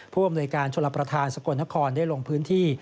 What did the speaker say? พร่วมโดยการชนประทานสกลนครได้ลงพื้นที่